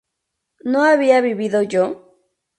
¿no había vivido yo?